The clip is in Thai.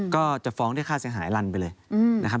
ก็จะฟ้องเรียกค่าเสียหายรันไปเลยนะครับ